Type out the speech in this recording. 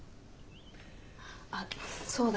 あっそうだ。